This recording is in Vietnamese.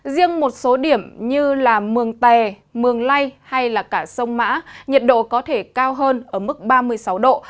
riêng một số điểm như là mường tè mường lay hay là cả sông mã nhiệt độ có thể cao hơn ở mức ba mươi sáu độ